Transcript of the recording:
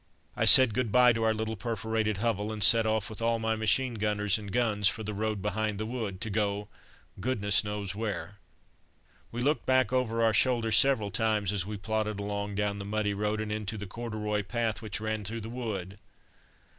I said good bye to our little perforated hovel, and set off with all my machine gunners and guns for the road behind the wood, to go goodness knows where. We looked back over our shoulders several times as we plodded along down the muddy road and into the corduroy path which ran through the wood.